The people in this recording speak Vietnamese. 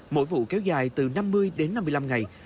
mỗi vụ kéo dài từ năm mươi đến năm mươi năm ngày